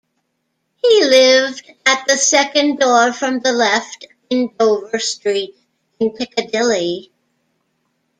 He lived at "the second door from the left in Dover Street" in Piccadilly.